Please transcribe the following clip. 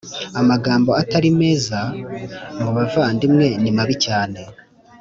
Amagambo Atari meza mubavandimwe nimabi cyane